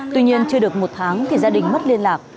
tuy nhiên chưa được một tháng thì gia đình mất liên lạc